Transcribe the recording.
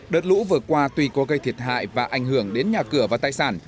đợt lũ vừa qua tuy có gây thiệt hại và ảnh hưởng đến nhà cửa và tài sản